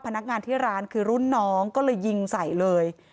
พนักงานที่ร้านคือรุ่นน้องก็เลยยิงใส่เลย